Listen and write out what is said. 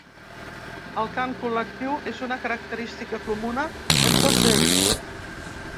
El cant col·lectiu és una característica comuna en tots ells.